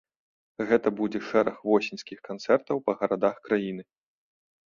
Гэта будзе шэраг восеньскіх канцэртаў па гарадах краіны.